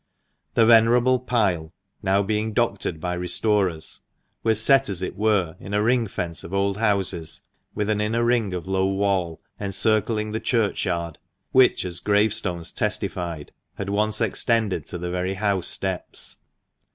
167 The venerable pile (now being doctored by restorers) was set, as it were, in a ring fence of old houses, with an inner ring of low wall encircling the churchyard, which, as grave stones testified, had once extended to the very house steps.